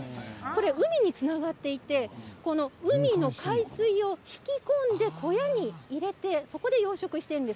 海につながっていて海の海水を引き込んで小屋に入れてそこで養殖をしているんです。